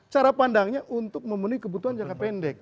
cara pandangnya untuk memenuhi kebutuhan jangka pendek